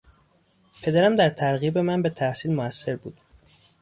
پدرم در ترغیب من به تحصیل موثر بود.